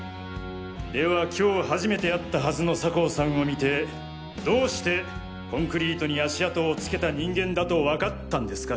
では今日初めて会ったはずの酒匂さんを見てどうしてコンクリートに足跡を付けた人間だと分かったんですか？